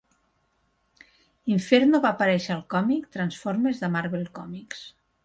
Inferno va aparèixer al còmic Transformers de Marvel Comics.